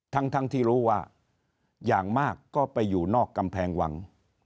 ทั้งที่รู้ว่าอย่างมากก็ไปอยู่นอกกำแพงวัง